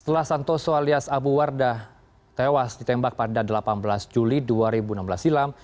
setelah santoso alias abu wardah tewas ditembak pada delapan belas juli dua ribu enam belas silam